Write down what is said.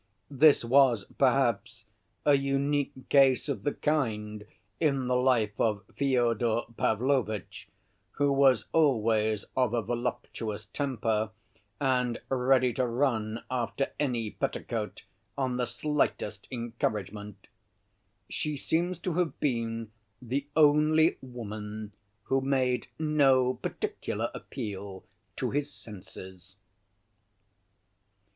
This was, perhaps, a unique case of the kind in the life of Fyodor Pavlovitch, who was always of a voluptuous temper, and ready to run after any petticoat on the slightest encouragement. She seems to have been the only woman who made no particular appeal to his senses.